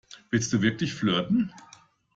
Willst du wirklich flirten?